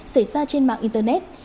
xảy ra trên mạng internet